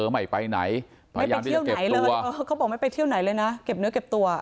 ไม่ไปไหนไม่ไปเที่ยวไหนเลยเขาบอกไม่ไปเที่ยวไหนเลยนะเก็บเนื้อเก็บตัว